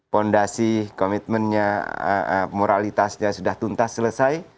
fondasi komitmennya moralitasnya sudah tuntas selesai